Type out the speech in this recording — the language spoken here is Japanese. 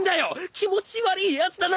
気持ち悪いやつだな